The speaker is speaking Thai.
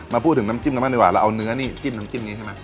มาพูดถึงน้ำจิ้มกันบ้างดีกว่าเราเอาเนื้อนี่จิ้มน้ำจิ้มนี้ใช่ไหม